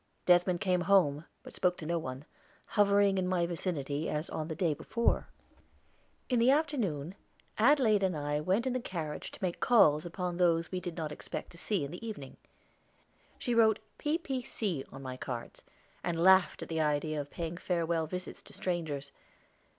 Desmond came home, but spoke to no one, hovering in my vicinity as on the day before. In the afternoon Adelaide and I went in the carriage to make calls upon those we did not expect to see in the evening. She wrote P.P.C. on my cards and laughed at the idea of paying farewell visits to strangers.